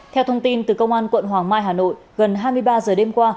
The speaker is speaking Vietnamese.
theo thông tin từ công an quận hoàng mai hà nội gần hai mươi ba giờ đêm qua